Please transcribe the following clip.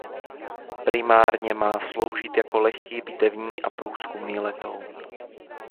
Primárně má sloužit jako lehký bitevní a průzkumný letoun.